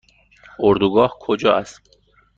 اردوگاه کجا است؟